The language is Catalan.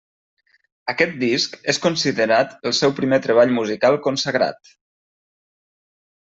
Aquest disc és considerat el seu primer treball musical consagrat.